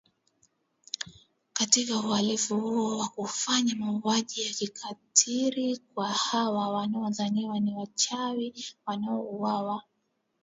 katika uhalifu huu wa kufanya mauaji ya kikatiri kwa hawa wanaodhaniwa ni wachawiWanaouwawa